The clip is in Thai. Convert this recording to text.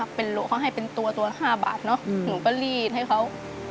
เขาให้เป็นตัว๕บาทหนูก็รีดให้เขา